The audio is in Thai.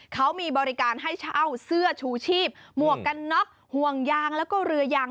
เขามีบริการให้เช่าเสื้อชูชีพหมวกกันน็อกห่วงยางแล้วก็เรือยาง